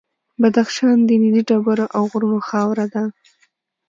بدخشان د نیلي ډبرو او غرونو خاوره ده.